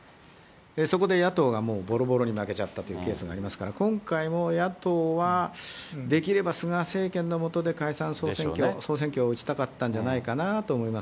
そこで野党がもうぼろぼろに負けちゃったというケースがありますから、今回も野党は、できれば菅政権の下で解散・総選挙を打ちたかったんじゃないかな